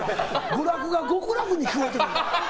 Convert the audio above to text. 娯楽が極楽に聞こえてくる。